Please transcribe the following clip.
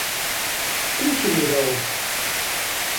Plysjeburo.